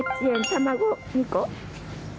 卵２個。